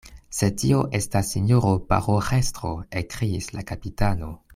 Sed tio estas sinjoro paroĥestro, ekkriis la kapitano.